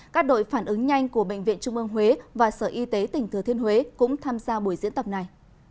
các đội phản ứng nhanh của bệnh viện trung ương huế và sở y tế tỉnh thừa thiên huế cũng tham gia buổi diễn tập này